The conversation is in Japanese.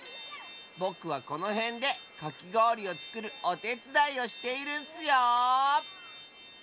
ぼくはこのへんでかきごおりをつくるおてつだいをしているッスよ。